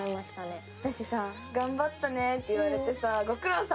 「頑張ったね」って言われてさ。